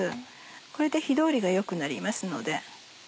これで火通りが良くなりますので。